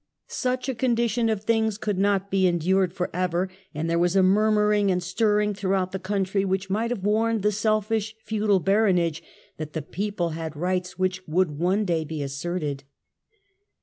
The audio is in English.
Such a condition of things could not be en dured for ever, and there was a murmuring and stir ring throughout the country, which might have warned the selfish feudal baronage that the people had rights which would one day be asserted.